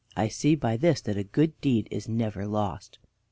I see by this that a good deed is never lost."